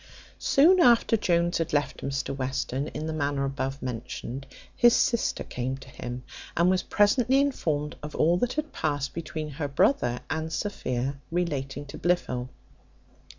Soon after Jones had left Mr Western in the manner above mentioned, his sister came to him, and was presently informed of all that had passed between her brother and Sophia relating to Blifil.